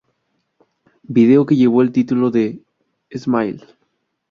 Video que llevó el título de 'Smile'.